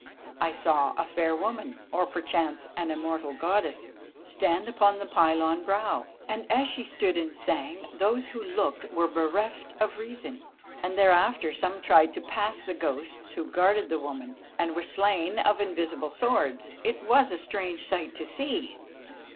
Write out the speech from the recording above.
"I saw a fair woman, or, perchance, an immortal Goddess, stand upon the pylon brow, and as she stood and sang those who looked were bereft of reason. And thereafter some tried to pass the ghosts who guarded the woman, and were slain of invisible swords. It was a strange sight to see."